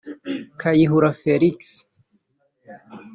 Kayihura Felix